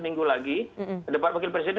minggu lagi debat wakil presiden